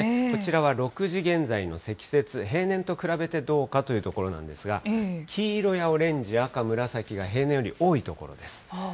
こちらは６時現在の積雪、平年と比べてどうかというところなんですが、黄色やオレンジ、赤、紫が平年より多い所です。